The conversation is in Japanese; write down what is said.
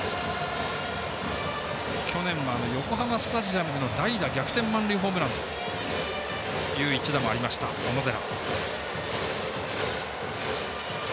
去年は横浜スタジアムでの代打逆転満塁ホームランという一打もありました、小野寺。